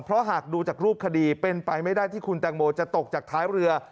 เพราะหากดูจากรูปคดีเป็นไปไม่ได้ที่คุณแตงโมจะตกจากท้ายเรือ